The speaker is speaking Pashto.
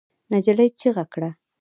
نجلۍ چیغه کړه.